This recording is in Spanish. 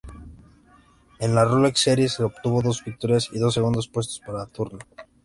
En la Rolex Series obtuvo dos victorias y dos segundos puestos para Turner.